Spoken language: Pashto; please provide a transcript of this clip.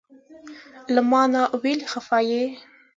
له مانه ولې خفه یی؟